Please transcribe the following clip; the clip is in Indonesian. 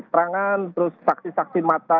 serangan terus saksi saksi mata